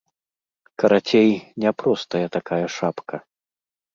Карацей, няпростая такая шапка.